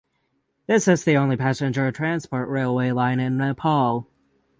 This is the only passenger transport railway line in Nepal.